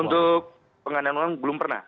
untuk pengadaan uang belum pernah